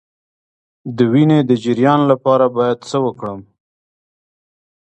د وینې د جریان لپاره باید څه وکړم؟